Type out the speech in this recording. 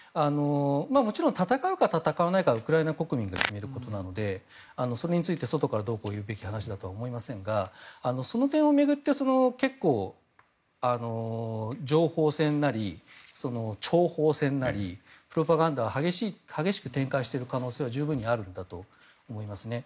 もちろん戦うか戦わないかはウクライナ国民が決めることなのでそれについて外からどうこう言うべき話だとは思いませんがその点を巡って結構、情報戦なり諜報戦なりプロパガンダを激しく展開している可能性は十分にあるんだと思いますね。